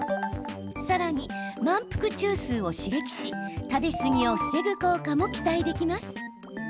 さらに、満腹中枢を刺激し食べ過ぎを防ぐ効果も期待できます。